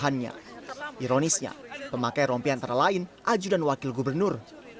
bahannya ironisnya pemakaian rompi antara lain aju dan wakil gubernur